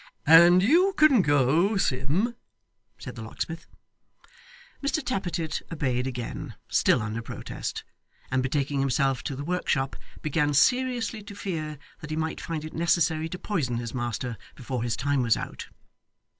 'And you can go, Sim,' said the locksmith. Mr Tappertit obeyed again, still under protest; and betaking himself to the workshop, began seriously to fear that he might find it necessary to poison his master, before his time was out.